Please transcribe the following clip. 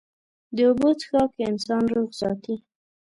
د اوبو څښاک انسان روغ ساتي.